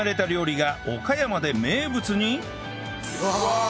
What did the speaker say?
うわ！